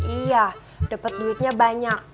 iya dapat duitnya banyak